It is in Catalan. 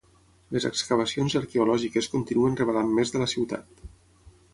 Les excavacions arqueològiques continuen revelant més de la ciutat.